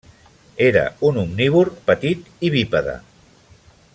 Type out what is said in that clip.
Era un omnívor petit i bípede.